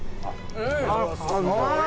うまい！